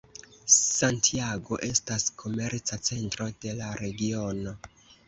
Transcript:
Santiago estas komerca centro de la regiono.